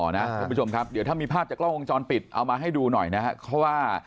นะเดี๋ยวถ้ามีภาพจากกล้องจรปิดเอามาให้ดูหน่อยนะเพราะว่า